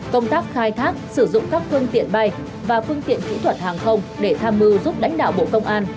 công tác khai thác sử dụng các phương tiện bay và phương tiện kỹ thuật hàng không để tham mưu giúp lãnh đạo bộ công an